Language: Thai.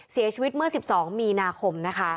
เสียชีวิตเมื่อ๑๒มีนาคมนะคะ